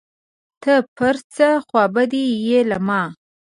ته پر څه خوابدی یې له ما